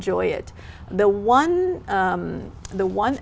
cơ hội tốt hơn